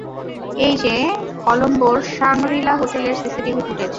এই যে, কলোম্বোর সাংরিলা হোটেলের সিসিটিভি ফুটেজ।